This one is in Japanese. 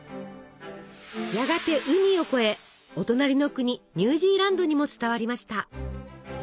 やがて海を越えお隣の国ニュージーランドにも伝わりました。